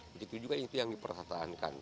begitu juga yang dipertahankan